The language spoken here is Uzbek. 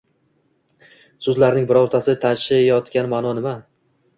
So’zlarning birortasi tashiyotgan ma’no nima?